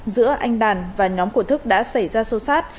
giữa anh đàn và nhóm của thức đã xảy ra sâu sát